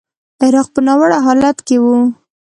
عراق په ناوړه حالت کې و.